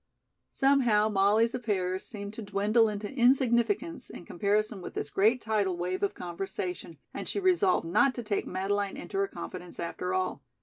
Somehow Molly's affairs seemed to dwindle into insignificance in comparison with this great tidal wave of conversation, and she resolved not to take Madeleine into her confidence after all.